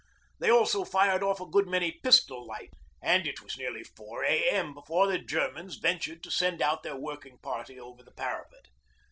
They also fired off a good many 'pistol lights,' and it was nearly 4 A.M. before the Germans ventured to send out their working party over the parapet.